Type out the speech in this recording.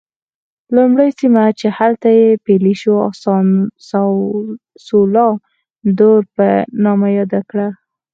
لومړی سیمه چې هلته پلی شو سان سولوا دور په نامه یاد کړه.